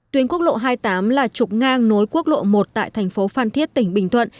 tuyến quốc lộ hai mươi tám là trục ngang nối quốc lộ một tại thành phố phan thiết tỉnh bình thuận